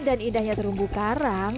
dan indahnya terumbu karang